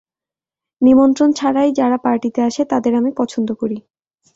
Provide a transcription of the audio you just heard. নিমন্ত্রণ ছাড়াই যারা পার্টিতে আসে তাদের আমি পছন্দ করি।